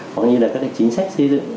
hoặc như là các cái chính sách xây dựng